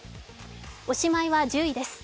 おしまいは１０位です。